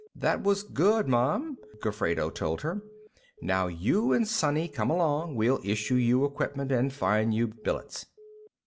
"That was good, Mom," Gofredo told her. "Now, you and Sonny come along; we'll issue you equipment and find you billets."